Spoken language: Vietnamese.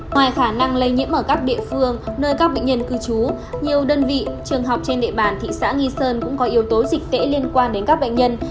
ngoài khả năng lây nhiễm ở các địa phương nơi các bệnh nhân cư trú nhiều đơn vị trường học trên địa bàn thị xã nghi sơn cũng có yếu tố dịch tễ liên quan đến các bệnh nhân